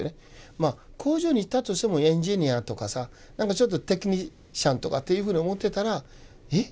まあ工場にいたとしてもエンジニアとかさなんかちょっとテクニシャンとかっていうふうに思ってたらえっ？